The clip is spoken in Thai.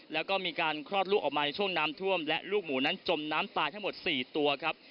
แล้วก็มีการคลอดลูกออกมาในช่วงน้ำท่วมและลูกหมูนั้นจมน้ำตายทั้งหมด๔ตัวครับ